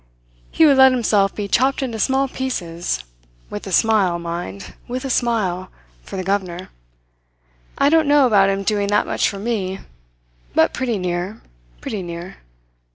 He would let himself be chopped into small pieces with a smile, mind; with a smile! for the governor. I don't know about him doing that much for me; but pretty near, pretty near.